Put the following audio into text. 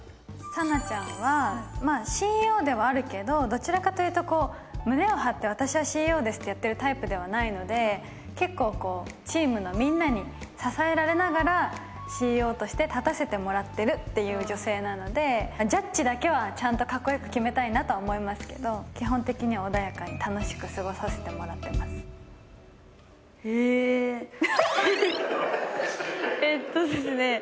佐奈ちゃんはＣＥＯではあるけどどちらかというとこう胸を張って私はＣＥＯですってやってるタイプではないので結構こうチームのみんなに支えられながらＣＥＯとして立たせてもらってるっていう女性なのでジャッジだけはちゃんとかっこよく決めたいなとは思いますけど基本的には穏やかに楽しく過ごさせてもらってますえっとですね